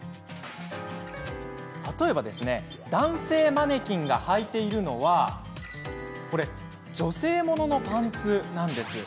例えば男性マネキンがはいているのは女性物のパンツなんです。